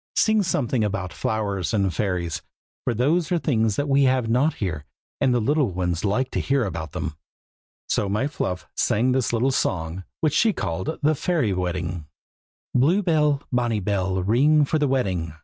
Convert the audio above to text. sing something about flowers and fairies, for those are things that we have not here, and the little ones like to hear about them." So my Fluff sang this little song, which she called "The Fairy Wedding:" Blue bell, bonny bell, ring for the wedding!